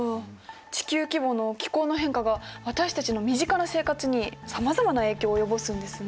地球規模の気候の変化が私たちの身近な生活にさまざまな影響を及ぼすんですね。